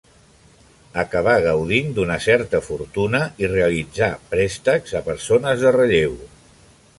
Acabà gaudint d'una certa fortuna i realitzà préstecs a persones de relleu.